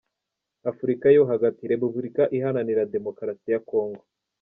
Afurika yo hagati: Repubulika Iharanira Demokarasi ya Congo.